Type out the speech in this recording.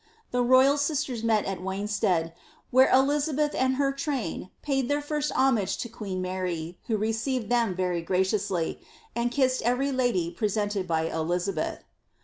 * The roval sisters met at Wanstead, where Elizabeth and her train paid their first homage to queen Mary, who received them very graciously, and kissed every lady presented by Elizabeth.